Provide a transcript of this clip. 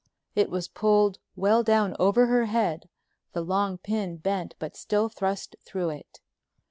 It was pulled well down over her head, the long pin bent but still thrust through it.